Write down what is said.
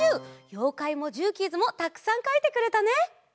ようかいもジューキーズもたくさんかいてくれたね！